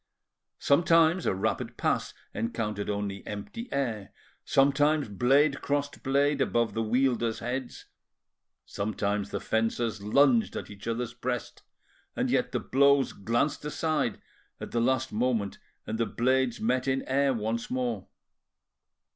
Sometimes a rapid pass encountered only empty air; sometimes blade crossed blade above the wielders' heads; sometimes the fencers lunged at each other's breast, and yet the blows glanced aside at the last moment and the blades met in air once more.